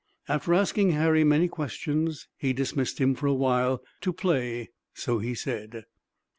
After asking Harry many questions he dismissed him for a while, to play, so he said.